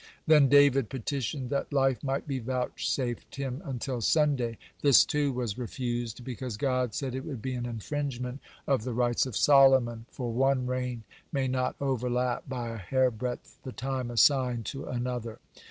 Then David petitioned that life might be vouchsafed him until Sunday; this, too, was refused, because God said it would be an infringement of the rights of Solomon, for one reign may not overlap by a hairbreadth the time assigned to another.